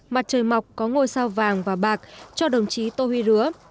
mặt trời mọc có ngôi sao vàng và bạc cho đồng chí tô huy lứa